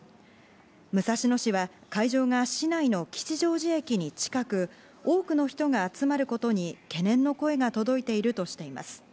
武蔵野市は会場が市内の吉祥寺駅に近く、多くの人が集まることに懸念の声が届いているとしています。